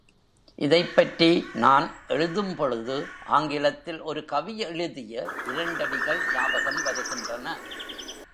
இதைப்பற்றி நான் எழுதும்பொழுது ஆங்கிலத்தில் ஒரு கவி எழுதிய இரண்டடிகள் ஞாபகம் வருகின்றன.